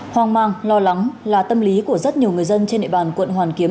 hoang mang lo lắng là tâm lý của rất nhiều người dân trên địa bàn quận hoàn kiếm